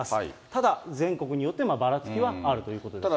ただ、全国によってばらつきはあるということですね。